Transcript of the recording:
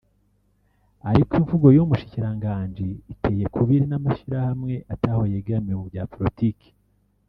Ariko imvugo y’uyo Mushikiranganji iteye kubiri n’amashirahamwe ataho yegamiye mu vya politike